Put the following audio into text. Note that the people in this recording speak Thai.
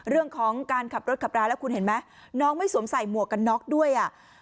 เรื่องของการขับรถขับราแล้วคุณเห็นไหมน้องไม่สวมใส่หมวกกันน็อกด้วยอ่ะ